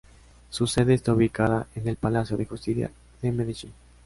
Su sede está ubicada en el Palacio de Justicia de Medellín.